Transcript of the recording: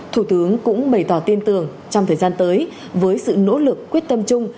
thủ tướng cũng bày tỏ tin tưởng trong thời gian tới với sự nỗ lực quyết tâm chung